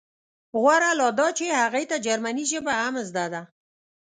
غوره لا دا چې هغې ته جرمني ژبه هم زده ده